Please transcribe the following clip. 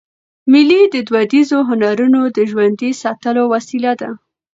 مېلې د دودیزو هنرونو د ژوندي ساتلو وسیله ده.